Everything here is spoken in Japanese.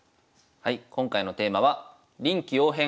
はい今回のテーマは「臨機応変！